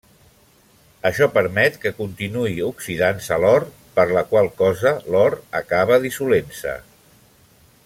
Això permet que continuï oxidant-se l'or, per la qual cosa l'or acaba dissolent-se.